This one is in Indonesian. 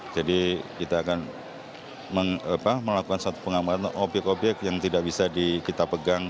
jadi kita akan melakukan satu pengamatan objek objek yang tidak bisa kita pegang